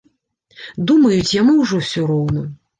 Думаюць, яму ўжо ўсё роўна.